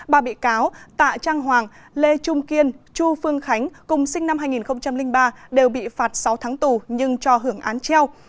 ba bị cáo tạ trang hoàng lê trung kiên chu phương khánh cùng sinh năm hai nghìn ba đều bị phạt sáu tháng tù nhưng cho hưởng án treo